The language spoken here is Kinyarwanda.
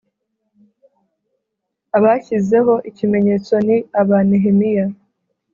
Abashyizeho ikimenyetso ni aba Nehemiya